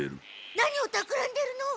何をたくらんでるの？